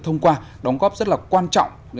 thông qua đóng góp rất là quan trọng